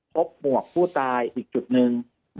หมวกผู้ตายอีกจุดหนึ่ง